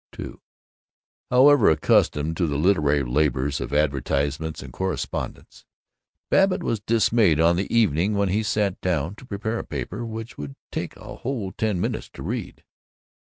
II However accustomed to the literary labors of advertisements and correspondence, Babbitt was dismayed on the evening when he sat down to prepare a paper which would take a whole ten minutes to read.